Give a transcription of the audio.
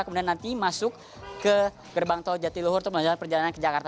kemudian nanti masuk ke gerbang tol jatiluhur untuk melanjutkan perjalanan ke jakarta